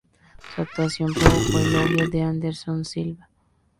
Su actuación provocó elogios de Anderson Silva.